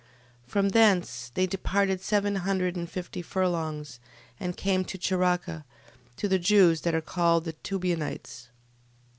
12:17. From thence they departed seven hundred and fifty furlongs, and came to Characa, to the Jews that are called Tubianites.